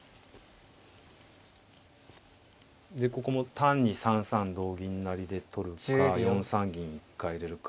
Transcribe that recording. でここも単に３三同銀成で取るか４三銀一回入れるか。